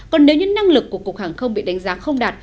còn nếu những năng lực của cục hàng không bị đánh giá không đạt